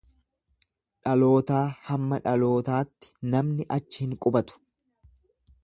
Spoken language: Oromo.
Dhalootaa hamma dhalootaatti namni achi hin qubatu.